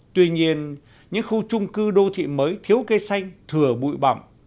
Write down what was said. tuy nhiên những khu trung cư đô thị mới thiếu cây xanh thừa bụi bậm